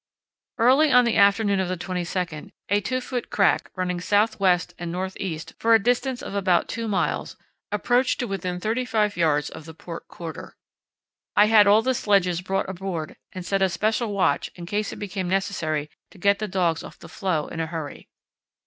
Early on the afternoon of the 22nd a 2 ft. crack, running south west and north east for a distance of about two miles, approached to within 35 yds. of the port quarter. I had all the sledges brought aboard and set a special watch in case it became necessary to get the dogs off the floe in a hurry.